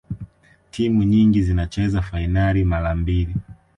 timu nyingi zinacheza fainali mara mbili